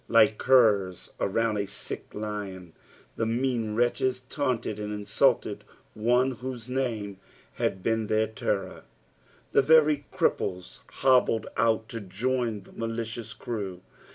Like curs around a sick lion, the mean wretclies taunted and insulted one whose name had been their terror. The very cripples hobbled out to join the malicious crew.